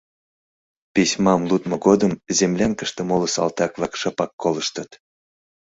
Письмам лудмо годым землянкыште моло салтак-влак шыпак колыштыт.